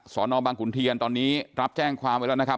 สนบังขุนเทียนตอนนี้รับแจ้งความไว้แล้วนะครับ